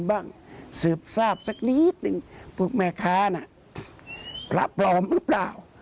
อฟังเสียงพระพยอมนะฮะ